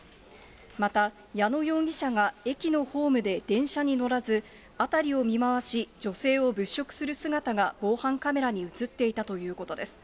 また、矢野容疑者が駅のホームで電車に乗らず、辺りを見回し、女性を物色する姿が防犯カメラに写っていたということです。